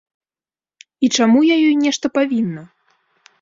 І чаму я ёй нешта павінна?